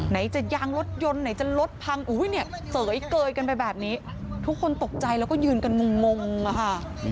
จะยางรถยนต์ไหนจะรถพังอุ้ยเนี่ยเสยเกยกันไปแบบนี้ทุกคนตกใจแล้วก็ยืนกันงงอะค่ะ